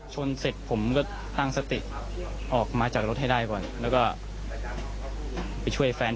เสร็จผมก็ตั้งสติออกมาจากรถให้ได้ก่อนแล้วก็ไปช่วยแฟน